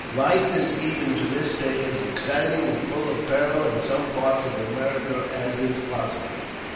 Life is, even to this day, as exciting and full of peril in some parts of America as is possible.